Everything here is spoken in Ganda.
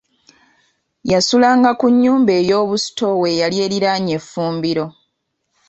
Yasulanga ku nnyumba eyoobusitoowa eyali eriraanye effumbiro.